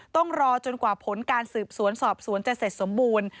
ต้องรอจนกว่าผลการสืบสวนสอบสวนจะเสร็จสมบูรณ์